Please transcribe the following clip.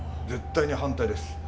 絶対に反対です。